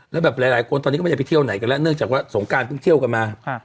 แล้วแบบหลายคนตอนนี้ก็ไม่ได้ไปเที่ยวไหนกันแล้วเนื่องจากว่าสงการเพิ่งเที่ยวกันมา